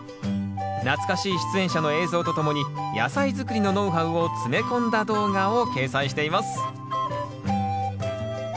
懐かしい出演者の映像とともに野菜づくりのノウハウを詰め込んだ動画を掲載しています